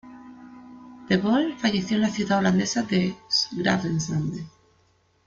De Boer falleció en la ciudad holandesa de 's-Gravenzande.